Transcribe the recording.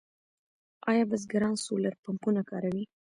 آیا بزګران سولر پمپونه کاروي؟